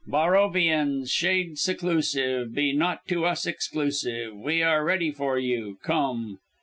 Barrowvians, shades seclusive, Be not to us exclusive, We are ready for you Come!